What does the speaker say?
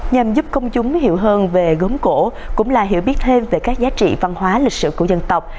nhằm giúp công chúng hiểu hơn về gốm cổ cũng là hiểu biết thêm về các giá trị văn hóa lịch sử của dân tộc